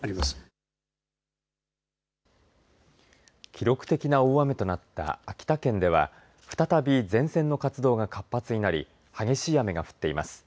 記録的な大雨となった秋田県では再び前線の活動が活発になり激しい雨が降っています。